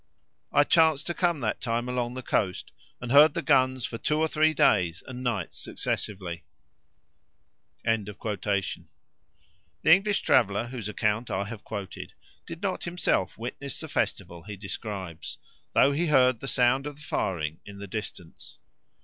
I chanced to come that time along the coast and heard the guns for two or three days and nights successively." The English traveller, whose account I have quoted, did not himself witness the festival he describes, though he heard the sound of the firing in the distance.